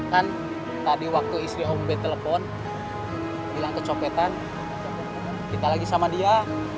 kan tadi waktu istri ombe telepon bilang kecopetan kita lagi sama dia